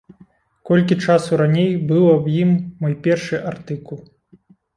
Колькі часу раней быў аб ім мой першы артыкул.